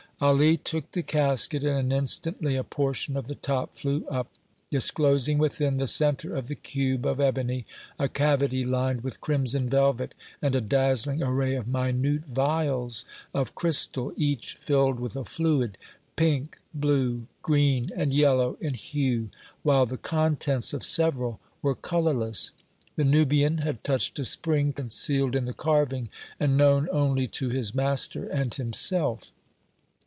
Ali took the casket, and instantly a portion of the top flew up, disclosing within the centre of the cube of ebony a cavity lined with crimson velvet, and a dazzling array of minute vials of crystal, each filled with a fluid pink, blue, green and yellow in hue, while the contents of several were colorless. The Nubian had touched a spring concealed in the carving, and known only to his master and himself.